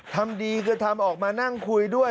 ทำดีคือทำออกมานั่งคุยด้วย